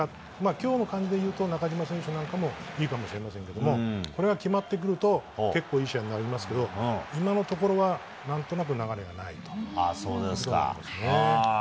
今日の感じでいうと中島選手なんかもいいかもしれませんけどこれが決まってくると結構いい試合になりますけど今のところは何となく流れがないですね。